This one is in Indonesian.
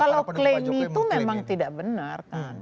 kalau klaim itu memang tidak benar kan